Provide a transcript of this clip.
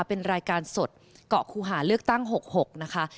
เป็นรายการสดเกาะคูหาเลือกตั้ง๖๖นะคะ